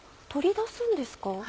取り出すんですか？